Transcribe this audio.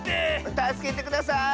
たすけてください！